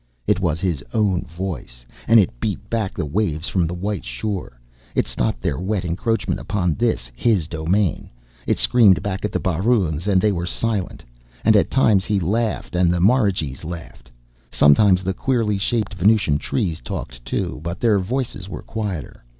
It was his own voice, and it beat back the waves from the white shore, it stopped their wet encroachment upon this, his domain. It screamed back at the baroons and they were silent. And at times he laughed, and the marigees laughed. Sometimes, the queerly shaped Venusian trees talked too, but their voices were quieter.